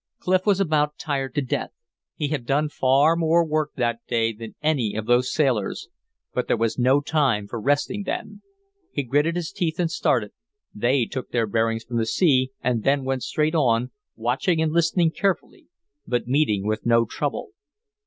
Clif was about tired to death. He had done far more work that day than any of those sailors. But there was no time for resting then. He gritted his teeth and started; they took their bearings from the sea, and then went straight on, watching and listening carefully, but meeting with no trouble.